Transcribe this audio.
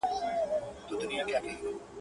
زخمي زړه مي په غمو د جانان زېر سو.